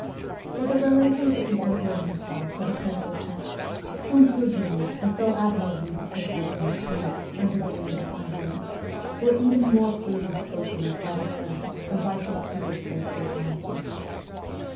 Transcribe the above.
But the relations of the emperor himself with the Princess X., whom Turgueneff has so admirably depicted in ' Smoke ' under the name of Irene, were even more freely spoken of by the servants than by St. Petersburg society.